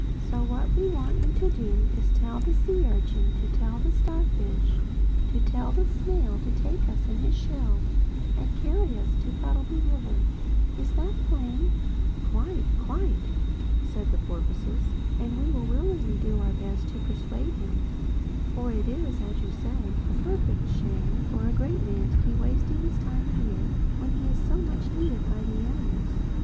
So what we want you to do is to tell the sea urchin to tell the starfish to tell the snail to take us in his shell and carry us to Puddleby River. Is that plain?" [Illustration: "'Tiptoe incognito,' whispered Bumpo"] "Quite, quite," said the porpoises. "And we will willingly do our very best to persuade him—for it is, as you say, a perfect shame for the great man to be wasting his time here when he is so much needed by the animals."